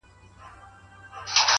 هره ناکامي نوی درک ورکوي’